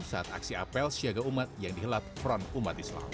saat aksi apel siaga umat yang dihelat front umat islam